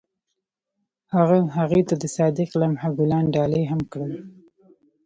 هغه هغې ته د صادق لمحه ګلان ډالۍ هم کړل.